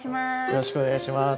よろしくお願いします。